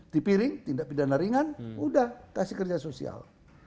dipiring tindak pidana ringan udah kasih kerja sosial